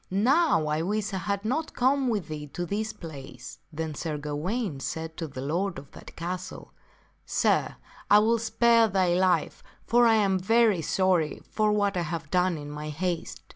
Now I wish I had not come with thee to this place." Then Sir Gawaine said to the lord of that castle, " Sir, I will spare thy life, for I am very sorry for what I have done in my haste."